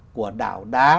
của đảo đá